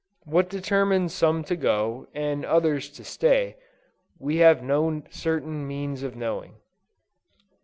What determines some to go, and others to stay, we have no certain means of knowing.